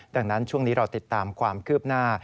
ดังนั้นช่วงนี้เราติดตามความคืบหน้า